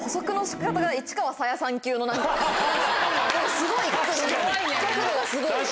すごい！角度がすごい。